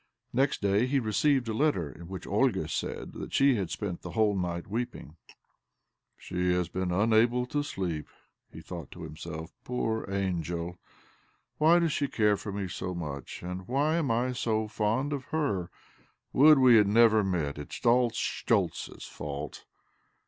Next day he received a letter in which Olga said that she had spent the whole night weeping ." She has been unable to sleep !" he thought to himself. " Poor angel ! Why does she care for me so much? And why am / so fond of herl Would we had never met! It is all Schtoltz's fault.